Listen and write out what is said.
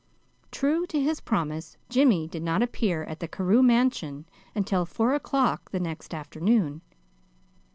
True to his promise, Jimmy did not appear at the Carew mansion until four o'clock the next afternoon.